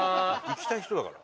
行きたい人だから。